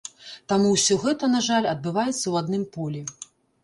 Таму ўсё гэта, на жаль, адбываецца ў адным полі.